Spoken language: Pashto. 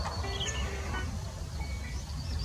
ولي زیارکښ کس د تکړه سړي په پرتله لاره اسانه کوي؟